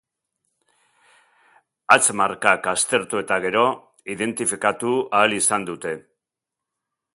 Hatz-markak aztertu eta gero, identifikatu ahal izan dute.